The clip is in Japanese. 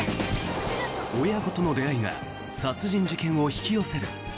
親子との出会いが殺人事件を引き寄せる。